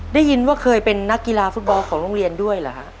ได้ยินว่าเคยเป็นนักกีฬาฟุตบอลของโรงเรียนด้วยเหรอฮะ